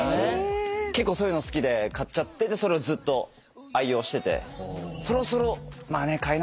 結構そういうの好きで買っちゃってそれをずっと愛用しててそろそろ替えなきゃなと思って。